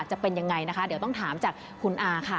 จะเป็นยังไงนะคะเดี๋ยวต้องถามจากคุณอาค่ะ